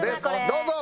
どうぞ。